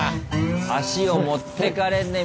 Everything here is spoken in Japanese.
足を持ってかれんね。